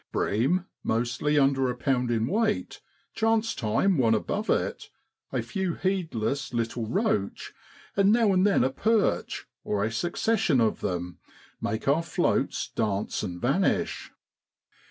Bream mostly under a pound in weight, chance time one above it a few heedless little roach, and now and then a perch, or a succession of them, make our floats dance and vanish.